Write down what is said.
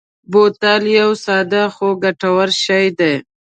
بوتل یو ساده خو ګټور شی دی.